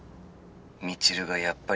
☎未知留がやっぱり